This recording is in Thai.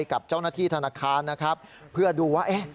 กับเจ้าหน้าที่ธนาคารเพื่อดูว่า